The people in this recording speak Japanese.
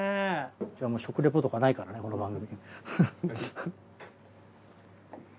うちは食レポとかないからねこの番組。